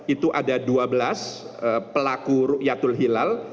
itu ada dua belas pelaku ru'yah tul hilal